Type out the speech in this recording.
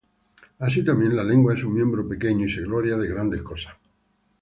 Así también, la lengua es un miembro pequeño, y se gloría de grandes cosas.